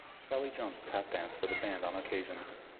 Sally Jones tap danced for the band on occasions.